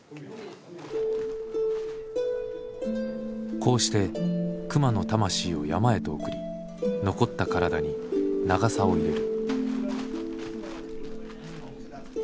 こうして熊の魂を山へと送り残った体に「ナガサ」を入れる。